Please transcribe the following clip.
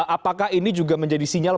apakah ini juga menjadi sinyal